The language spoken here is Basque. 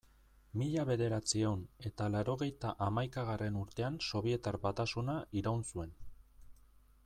Mila bederatziehun eta laurogeita hamaikagarren urtean Sobietar Batasuna iraun zuen.